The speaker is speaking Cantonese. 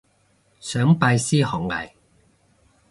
想拜師學藝